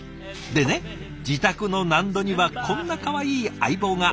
でね自宅の納戸にはこんなかわいい相棒が。